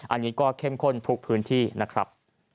อันนี้ก็เข้มข้นทุกพื้นที่นะครับ